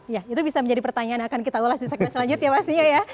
ya itu bisa menjadi pertanyaan akan kita ulas di segmen selanjutnya pastinya ya